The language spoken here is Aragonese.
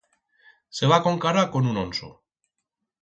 Se va concarar con un onso.